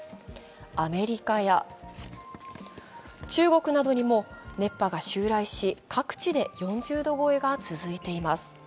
アメリカや中国などにも熱波が襲来し、各地で４０度超えが続いています。